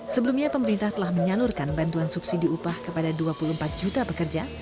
sebelumnya pemerintah telah menyalurkan bantuan subsidi upah kepada dua puluh empat juta pekerja